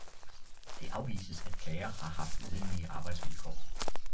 Det afvises, at klager har haft urimelige arbejdsvilkår.